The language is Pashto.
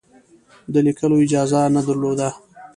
د لیکلو اجازه نه درلوده.